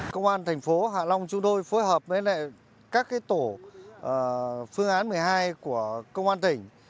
công an thành phố hạ long chúng tôi phối hợp với các tổ phương án một mươi hai của công an tỉnh